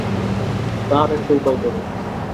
তাহার একটা উপায় করো।